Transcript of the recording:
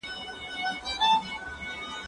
ايا ته ږغ اورې!.